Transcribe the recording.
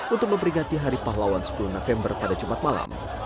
untuk memperingati hari pahlawan sepuluh november pada jumat malam